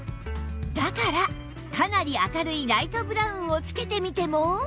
だからかなり明るいライトブラウンを着けてみても